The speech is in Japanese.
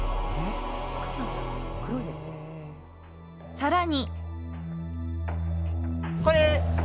さらに。